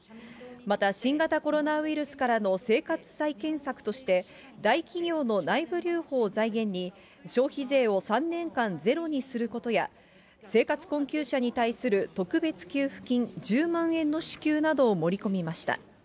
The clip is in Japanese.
また新型コロナウイルスからの生活再建策として、大企業の内部留保を財源に、消費税を３年間ゼロにすることや、生活困窮者に対する特別給付金１０万円の支給などを盛り込みました。